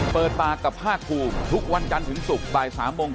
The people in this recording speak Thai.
เปิดปากกับภาคภูมิทุกวันจันทร์ถึงศุกร์บ่าย๓โมง